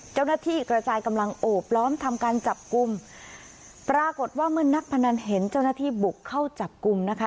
เจ้าหน้าที่กระจายกำลังโอบล้อมทำการจับกลุ่มปรากฏว่าเมื่อนักพนันเห็นเจ้าหน้าที่บุกเข้าจับกลุ่มนะคะ